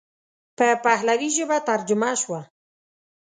په پهلوي ژبه ترجمه شوه.